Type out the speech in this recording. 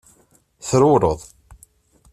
Trewleḍ.